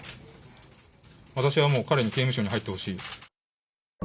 私はもう彼に刑務所に入ってほしい。